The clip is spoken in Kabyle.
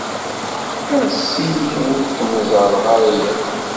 Ɣas ini ur kem-ẓerreɣ ara yakk.